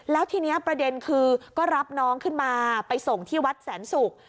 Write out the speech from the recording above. แล้วทีนี้ประเด็นคือก็รับน้องขึ้นมาไปส่งที่วัดแสนศุกร์